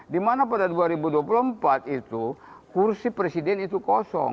dimana pada dua ribu dua puluh empat itu kursi presiden itu kosong